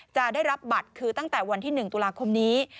จะได้รับบัตรคือตั้งแต่วันที่๑ตุลาคมนี้